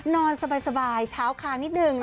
นอนสบายเช้าคางนิดหนึ่งนะ